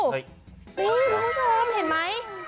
นี่ทุกคนเห็นไหม